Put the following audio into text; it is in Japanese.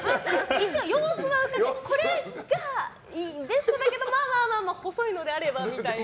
一応様子はうかがってこれがいいんですけどまあまあ細いのであればみたいな。